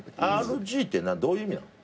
ＲＧってどういう意味なん？